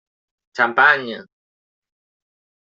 Xampany!